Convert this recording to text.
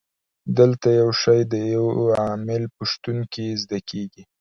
دلته یو شی د یو عامل په شتون کې زده کیږي.